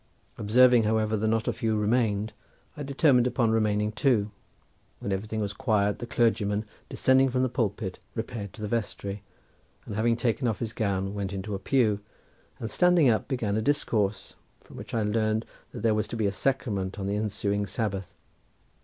Observing, however, that not a few remained, I determined upon remaining too. When everything was quiet the clergyman descending from the pulpit repaired to the vestry, and having taken off his gown went into a pew, and standing up began a discourse, from which I learned that there was to be a sacrament on the ensuing Sabbath.